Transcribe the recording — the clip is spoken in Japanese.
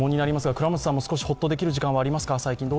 倉持さんも少しほっとできる時間はありますか。